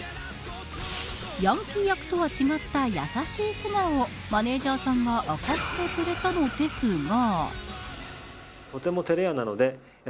ヤンキー役とは違った優しい素顔をマネジャーさんが明かしてくれたのですが。